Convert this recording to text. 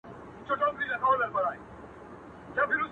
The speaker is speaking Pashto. پاچا که د جلاد پر وړاندي _ داسي خاموش وو _